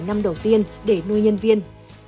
năm đầu tiên để nuôi nhân viên